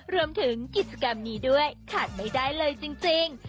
รวมถึงกิจกรรมนี้ด้วยขาดไม่ได้เลยจริง